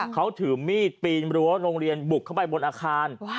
เขาถือมีดปีนรั้วโรงเรียนบุกเข้าไปบนอาคาร